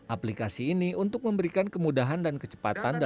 aplikasi ini untuk memberikan kemudahan dan kecepatan